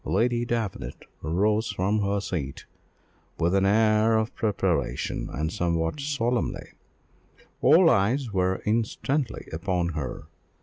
Lady Davenant rose from her seat with an air of preparation, and somewhat of solemnity. All eyes were instantly upon her.